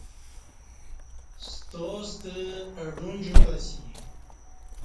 ستا ستہ اہ ڈون جُوک اسی۔